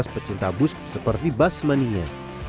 percinta bus seperti bus mania